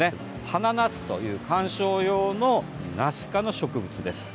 ハナナスという観賞用のナス科の植物です。